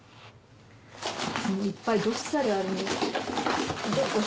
いっぱいどっさりあるんです。